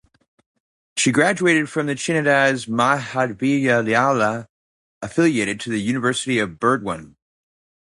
She graduated from the Chandidas Mahavidyalaya affiliated to the University of Burdwan.